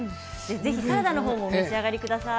ぜひサラダの方も召し上がりください。